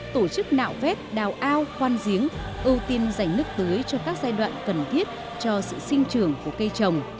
tổ chức nạo vét đào ao khoan giếng ưu tiên dành nước tưới cho các giai đoạn cần thiết cho sự sinh trường của cây trồng